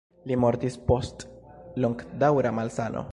Li mortis post longdaŭra malsano.